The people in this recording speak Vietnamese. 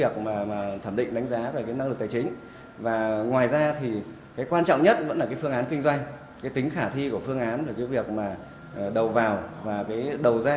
cái tính khả thi của phương án là cái việc mà đầu vào và đầu ra